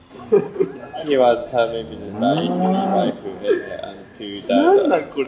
He was survived by his wife, Esther, and two daughters.